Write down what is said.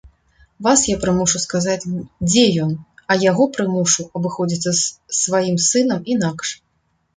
Вас я прымушу сказаць, дзе ён, а яго прымушу абыходзіцца з сваім сынам інакш.